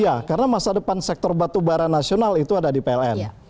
iya karena masa depan sektor batubara nasional itu ada di pln